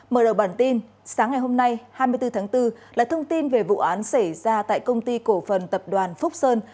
mở đầu bản tin sáng ngày hôm nay hai mươi bốn tháng bốn là thông tin về vụ án xảy ra tại công ty cổ phần tập đoàn phúc sơn